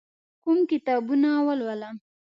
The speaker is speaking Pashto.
کوم کتابونه ولولم؟